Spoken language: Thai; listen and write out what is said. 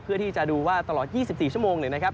เพื่อที่จะดูว่าตลอด๒๔ชั่วโมงเนี่ยนะครับ